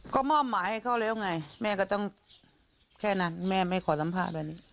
ก็มอบหมายให้เขาแล้วไงแม่ก็ต้องแค่นั้นแม่ไม่ขอสัมภาษณ์แบบนี้